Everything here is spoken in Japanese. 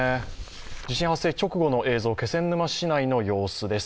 地震発生直後の映像、気仙沼市内の様子です。